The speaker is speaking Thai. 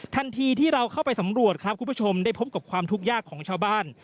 ทันทีที่เราเข้าไปสำรวจครับคุณผู้ชมได้พบกับความทุกข์ยากของชาวบ้าน